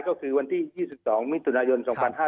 ก็คือวันที่๒๒มิถุนายน๒๕๕๙